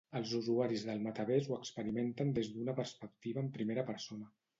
Els usuaris del metavers ho experimenten des d'una perspectiva en primera persona.